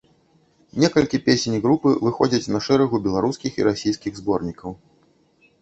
Некалькі песень групы выходзяць на шэрагу беларускіх і расійскіх зборнікаў.